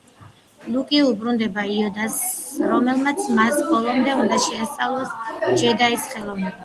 ლუკი უბრუნდება იოდას, რომელმაც მას ბოლომდე უნდა შეასწავლოს ჯედაის ხელოვნება.